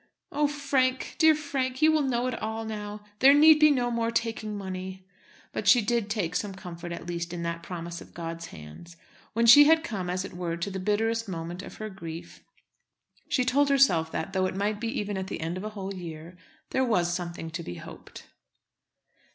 "Oh, Frank, dear Frank, you will know it all now. There need be no more taking money." But she did take some comfort at last in that promise of God's hands. When she had come, as it were, to the bitterest moment of her grief, she told herself that, though it might be even at the end of a whole year, there was something to be hoped.